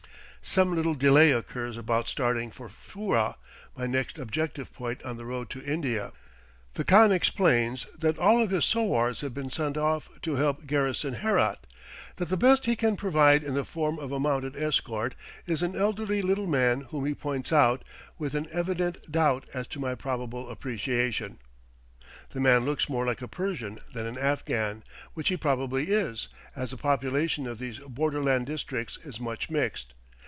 Some little delay occurs about starting for Furrah, my next objective point on the road to India; the khan explains that all of his sowars have been sent off to help garrison Herat; that the best he can provide in the form of a mounted escort is an elderly little man whom he points out, with an evident doubt as to my probable appreciation. The man looks more like a Persian than an Afghan, which he probably is, as the population of these borderland districts is much mixed.